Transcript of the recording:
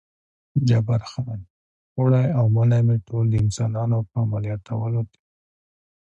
جبار خان: اوړی او منی مې ټول د انسانانو په عملیاتولو تېر کړل.